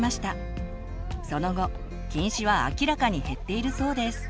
その後近視は明らかに減っているそうです。